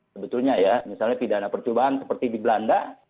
sebetulnya ya misalnya pidana percobaan seperti di belanda